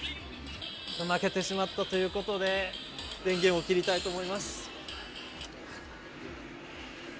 負けてしまったということで電源を切りたいと思います。